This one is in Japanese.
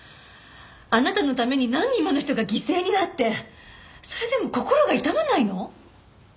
あなたのために何人もの人が犠牲になってそれでも心が痛まないの？